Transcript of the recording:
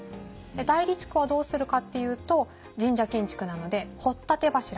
内裏地区はどうするかっていうと神社建築なので掘立柱。